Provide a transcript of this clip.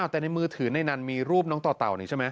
แต่ในมือถือในนั้นมีรูปน้องต่อเต่านี่ใช่ไหม